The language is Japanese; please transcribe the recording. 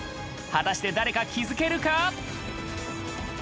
果たして誰か気付けるか？